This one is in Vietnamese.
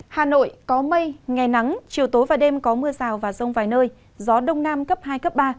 hà nội có mây ngày nắng chiều tối và đêm có mưa rào và rông vài nơi gió đông nam cấp hai cấp ba